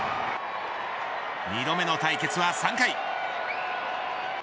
２度目の対決は３回。